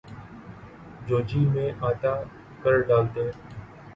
جو جی میں آتا کر ڈالتے۔